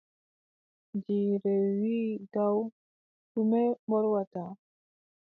Jiire wii gaw: ɗume mbolwata?